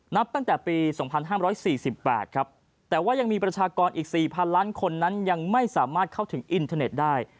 นับตั้งแต่ปี๒๕๔๘ครับแต่ว่ายังมีประชากรอีก๔๐๐๐ล้านคนนั้นยังไม่สามารถเข้าถึงอินเทอร์เน็ตได้